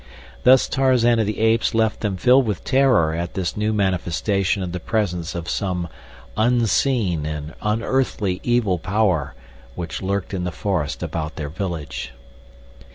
Thus Tarzan of the Apes left them filled with terror at this new manifestation of the presence of some unseen and unearthly evil power which lurked in the forest about their village.